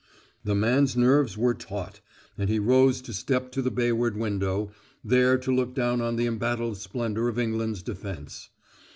The man's nerves were taut, and he rose to step to the bayward window, there to look down on the embattled splendor of England's defense.